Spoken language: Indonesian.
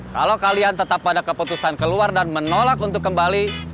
kalau kalian tetap pada keputusan keluar dan menolak untuk kembali